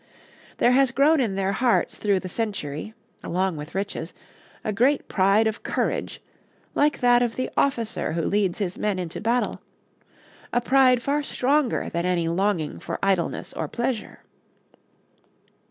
There has grown in their hearts through the century, along with riches, a great pride of courage, like that of the officer who leads his men into battle a pride far stronger than any longing for idleness or pleasure.